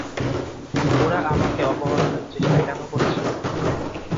ওরা আমাকে অপহরণের চেষ্টা কেন করছিলো?